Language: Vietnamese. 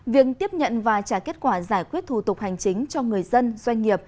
việc tiếp nhận và trả kết quả giải quyết thủ tục hành chính cho người dân doanh nghiệp